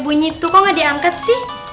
bunyi tuh kok gak diangkat sih